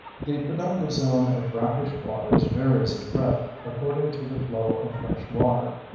The productive zone of brackish water varies in breadth according to the flow of fresh water.